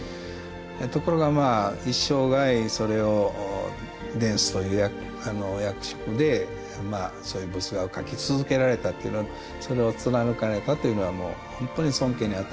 ところがまあ一生涯それを殿司という役職でそういう仏画を描き続けられたというのはそれを貫かれたというのはもう本当に尊敬に値すると思います。